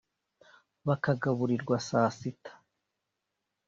bakagaburirwa saa sita